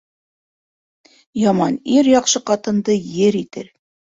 Яман ир яҡшы ҡатынды ер итер.